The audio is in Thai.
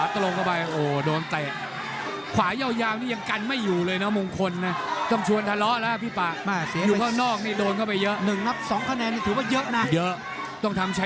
ตอนต้องกดก่อกับอันดาต